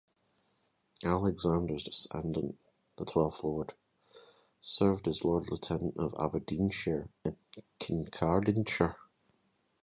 Alexander's descendant, the twelfth Lord, served as Lord Lieutenant of Aberdeenshire and Kincardineshire.